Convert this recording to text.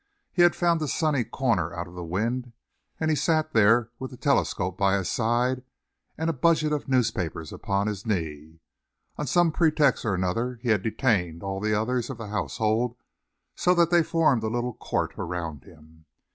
He had found a sunny corner out of the wind, and he sat there with a telescope by his side and a budget of newspapers upon his knee. On some pretext or another he had detained all the others of the household so that they formed a little court around him.